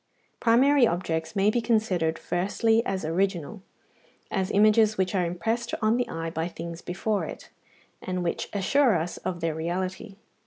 Primary objects may be considered firstly as original, as images which are impressed on the eye by things before it, and which assure us of their reality.